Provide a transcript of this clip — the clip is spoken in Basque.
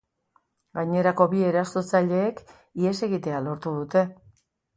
Gainerako bi erasotzaileek ihes egitea lortu dute.